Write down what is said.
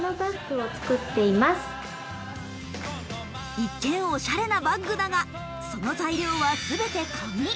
一見オシャレなバッグだがその材料は全て紙。